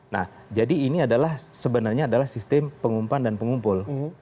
nah jadi ini adalah sebenarnya adalah sistem pengumpan dan pengumpul